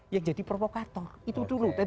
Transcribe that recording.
yang jadi provokator itu dulu